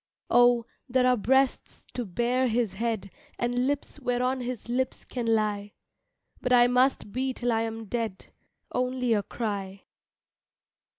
Oh, there are breasts to bear his head, And lips whereon his lips can lie, But I must be till I am dead Only a cry.